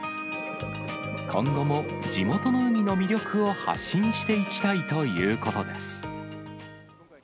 今後も地元の海の魅力を発信していきたいということです。